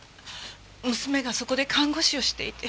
娘がそこで看護師をしていて。